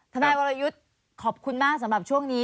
ทนายวรยุทธ์ขอบคุณมากสำหรับช่วงนี้